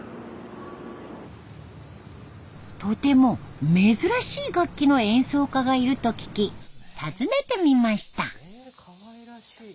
とても珍しい楽器の演奏家がいると聞き訪ねてみました。